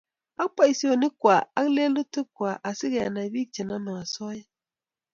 Ak boisionik kwai ak lelutik kwai asi Kenai bik chenomei osoya